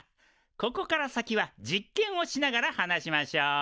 ここから先は実験をしながら話しましょう。